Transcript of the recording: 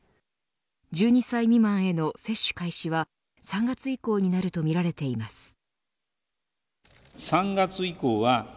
１２歳未満への接種開始は３月以降になるとみられています。